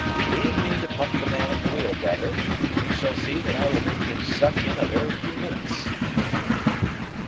"Leave me to pump the man at the wheel, brother, and you shall see that I will make him suck in a very few minutes."